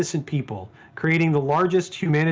orang orang yang tidak berhubung